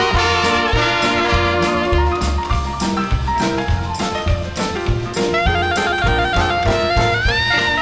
โปรดติดตามต่อไป